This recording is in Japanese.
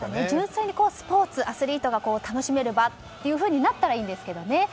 純粋にスポーツ、アスリートが楽しめる場となったらいいんですけどね。